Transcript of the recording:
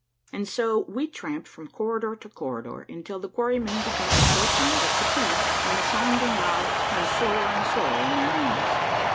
And so we tramped from corridor to corridor, until the quarrymen began to show signs of fatigue, and the sounding rod turned slower and slower in their hands.